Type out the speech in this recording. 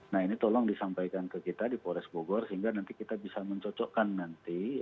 nah ini tolong disampaikan ke kita di polres bogor sehingga nanti kita bisa mencocokkan nanti